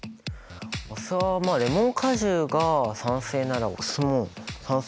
お酢はまあレモン果汁が酸性ならお酢も酸性だと思うけど。